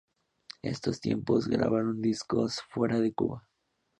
En esos tiempos grabaron discos fuera de Cuba.